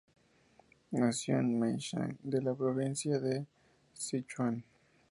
Nació en Mei Shan de la provincia de Sichuan.